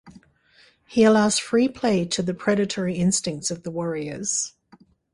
He allows free play to the predatory instincts of the warriors.